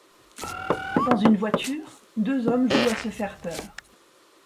Dans une voiture, deux hommes jouent à se faire peur.